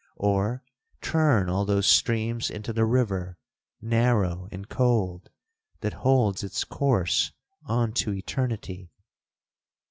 —or turn all those streams into the river, narrow and cold, that holds its course on to eternity!